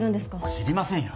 知りませんよ